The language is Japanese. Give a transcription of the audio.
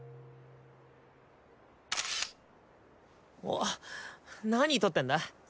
おっ何撮ってんだ？